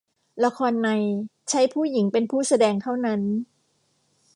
ละครใน ใช้ผู้หญิงเป็นผู้แสดงเท่านั้น